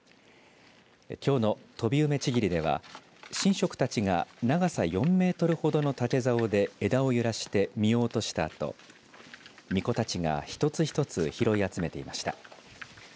きょうの飛梅ちぎりでは神職たちが長さ４メートルほどの竹ざおで枝を揺らして実を落としたあとみこたちが一つ一つ実を集めていました。